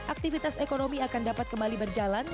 aktivitas ekonomi akan dapat kembali berjalan